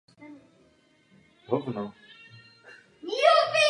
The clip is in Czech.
Ve Svaté zemi se Jindřichovi podařilo se získat titul jeruzalémského krále.